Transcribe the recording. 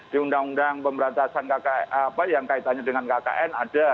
di undang undang pemberantasan yang kaitannya dengan kkn ada